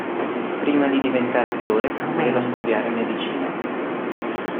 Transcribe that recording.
Prima di diventare attore voleva studiare medicina.